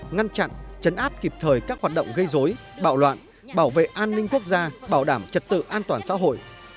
ngăn chặn chấn áp kịp thời các hoạt động gây dối bạo loạn bảo vệ an ninh quốc gia bảo đảm trật tự an toàn xã hội